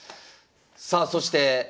さあそして。